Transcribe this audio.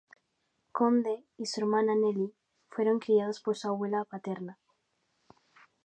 Conde y su hermana Nelly fueron criados por su abuela paterna.